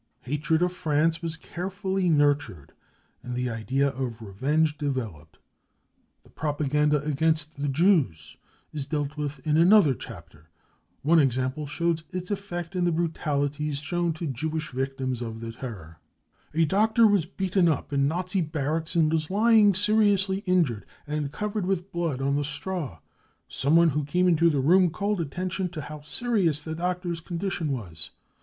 Hatred of France was carefully j nurtured, and the idea of revenge developed. The propaganda against the Jews is dealt with in another 'V__JJ 3 Ter : one example* shows its effect in the brutalities shown to Jewish victims of the terror :" A doctor was beaten up in a Nazi barracks and was lying, seriously injured and covered with blood, on the straw. Someone who came into the room called atten tion to how serious the doctor's condition was.